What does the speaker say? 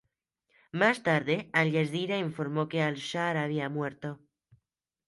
Más tarde, Al Jazeera informó que Al-Shaar había muerto.